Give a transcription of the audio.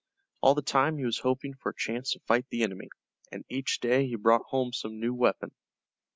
All the time he was hoping for a chance to fight the enemy, and each day he brought home some new weapon.